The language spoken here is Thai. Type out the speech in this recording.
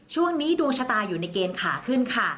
ช่วงนี้ดวงชะตาอยู่ในเกณฑ์ขาขึ้นค่ะ